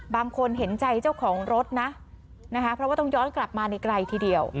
บางคนเห็นใจเจ้าของรถนะนะคะเพราะว่าต้องย้อนกลับมาในไกลทีเดียว